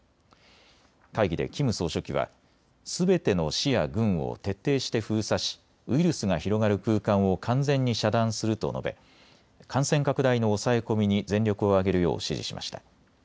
会議でキム総書記はすべての市や郡を徹底して封鎖しウイルスが広がる空間を完全に遮断すると述べ感染拡大の抑え込みに全力を挙げるよう指示しました。